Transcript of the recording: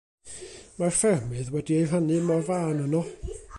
Mae'r ffermydd wedi eu rhannu mor fân yno.